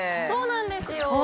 そうなんですよ。